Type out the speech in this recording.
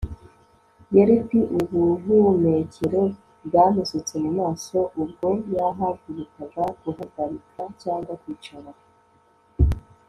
yelp. ubuhumekero bwamusutse mumaso ubwo yahagurukaga guhagarika cyangwa kwicara